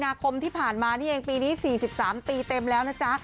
นาคมที่ผ่านมานี่เองปีนี้๔๓ปีเต็มแล้วนะจ๊ะ